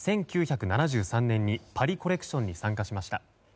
１９７３年にパリコレクションに参加しました。